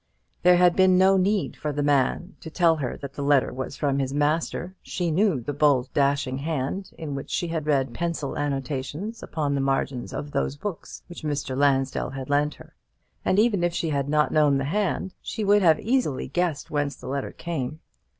There had been no need for the man to tell her that the letter was from his master. She knew the bold dashing hand, in which she had read pencil annotations upon the margins of those books which Mr. Lansdell had lent her. And even if she had not known the hand, she would have easily guessed whence the letter came.